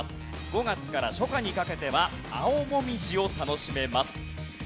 ５月から初夏にかけては青もみじを楽しめます。